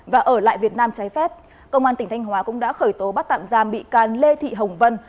và ở lại việt nam trái phép công an tỉnh thanh hóa cũng đã khởi tố bắt tạm giam bị can lê thị hồng vân